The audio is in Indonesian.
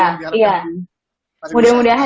mudah mudahan ya mudah mudahan